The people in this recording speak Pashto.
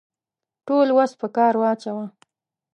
ټول وس په کار واچاوه.